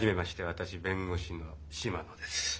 私弁護士の島野です。